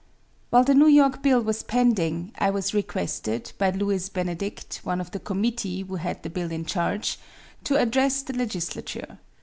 While the New York bill was pending, I was requested, by Lewis Benedict, one of the committee who had the bill in charge, to address the legislature.